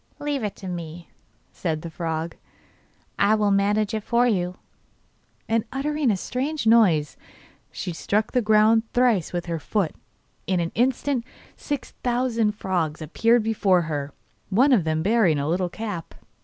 'Leave it to me,' said the frog, 'I will manage it for you.' And, uttering a strange noise, she struck the ground thrice with her foot. In an instant six thousand frogs appeared before her, one of them bearing a little cap.